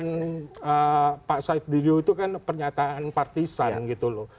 pernyataan pak said diu itu kan pernyataan partisan gitu loh